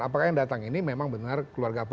apakah yang datang ini memang benar keluarga apa